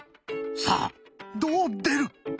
さあどう出る！